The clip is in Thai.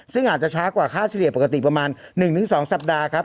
ซึ่งอาจจะช้ากว่าค่าเฉลี่ยปกติประมาณ๑๒สัปดาห์ครับ